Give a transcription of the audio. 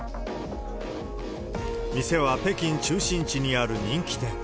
店は北京中心地にある人気店。